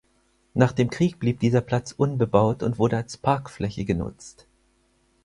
Nach dem Krieg blieb dieser Platz unbebaut und wurde als Parkfläche genutzt.